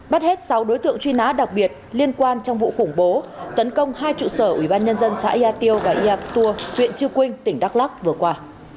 bắt hết sáu đối tượng truy nã đặc biệt liên quan trong vụ khủng bố tấn công hai trụ sở ubnd xã yà tiêu và yat tour huyện chư quynh tỉnh đắk lắc vừa qua